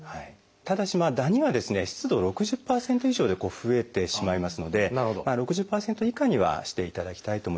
ただしダニはですね湿度６０％以上で増えてしまいますので６０％以下にはしていただきたいと思います。